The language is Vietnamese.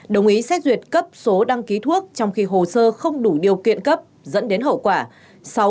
đồng ý xét duyệt cấp số đăng ký thuốc trong khi hồ sơ không đủ điều kiện cấp dẫn đến hậu quả